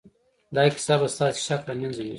دا کیسه به ستاسې شک له منځه یوسي